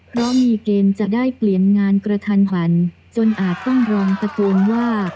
เพราะมีเกณฑ์จะได้เปลี่ยนงานกระทันหันจนอาจต้องรองตะโกนว่า